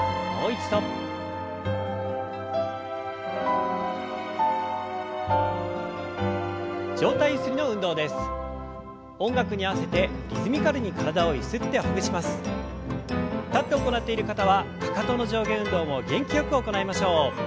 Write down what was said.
立って行っている方はかかとの上下運動も元気よく行いましょう。